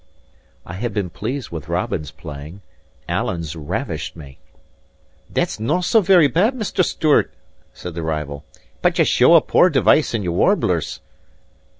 I had been pleased with Robin's playing, Alan's ravished me. "That's no very bad, Mr. Stewart," said the rival, "but ye show a poor device in your warblers."